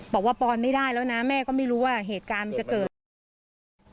ปอนไม่ได้แล้วนะแม่ก็ไม่รู้ว่าเหตุการณ์มันจะเกิดอะไรขึ้น